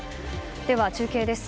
では、中継です。